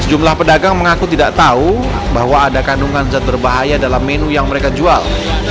sejumlah pedagang mengaku tidak tahu bahwa ada kandungan zat berbahaya dalam menu yang mereka jual